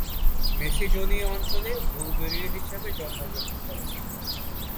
Macedonia অঞ্চলের বুলগেরীয় হিসেবে জন্মগ্রহণ করেন তিনি।